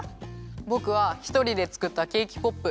ぼくはひとりでつくったケーキポップ。